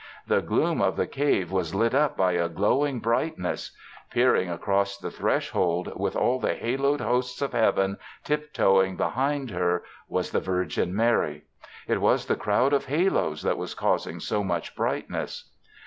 The gloom of the cave was lit up by a glowing brightness. Peering across the threshold, with all the haloed hosts of Heaven tiptoeing behind her, was the Virgin Mary. It was the crowd of haloes that was causing so much brightness.